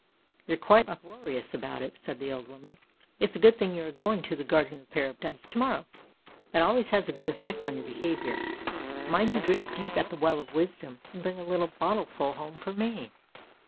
"You're quite uproarious about it! " said the old woman. " It's a good thing you are going to the Garden of Paradise to morrow; it always has a good effect on your behaviour. Mind you drink deep of the Well of Wisdom, and bring a little bottleful home for me."